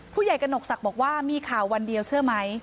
ผู้ใหญ่กระหนกสักบอกว่ามีข่าววันเดียวเชื่อไหม